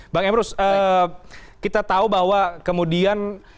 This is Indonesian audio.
bang emrus kita tahu bahwa kemudian